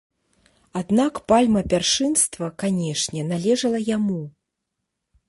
Аднак пальма першынства, канешне, належала яму.